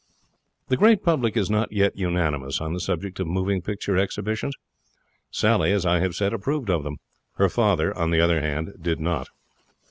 The great public is not yet unanimous on the subject of moving picture exhibitions. Sally, as I have said, approved of them. Her father, on the other hand, did not.